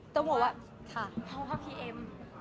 ต้องก็ว่าเปม